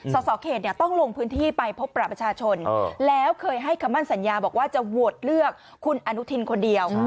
สสเขตต้องลงพื้นที่ไปพบประชาชนแล้วเคยให้คำมั่นสัญญาบอกว่าจะโหวตเลือกคุณอนุทินคนเดียว